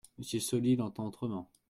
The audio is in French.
Monsieur Sauli l'entend autrement.